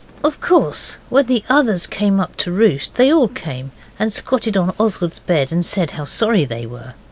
Of course when the others came up to roost they all came and squatted on Oswald's bed and said how sorry they were.